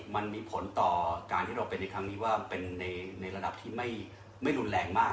มันมีผลต่อการที่เราเป็นในครั้งนี้ว่าเป็นในระดับที่ไม่รุนแรงมาก